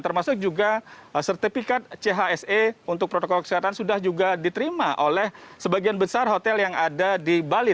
termasuk juga sertifikat chse untuk protokol kesehatan sudah juga diterima oleh sebagian besar hotel yang ada di bali